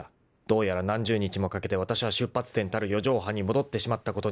［どうやら何十日もかけてわたしは出発点たる四畳半に戻ってしまったことになる］